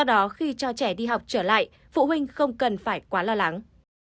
do đó khi cho trẻ đi học trở lại phụ huynh không cần phải quá lo lắng